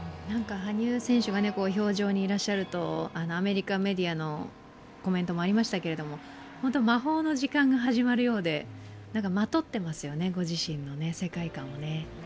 羽生選手が氷上にいらっしゃるとアメリカメディアのコメントもありましたけれども、魔法の時間が始まるようで、まとっていますよね、ご自身の世界観をね。